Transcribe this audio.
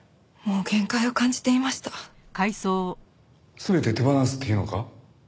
全て手放すって言うのか？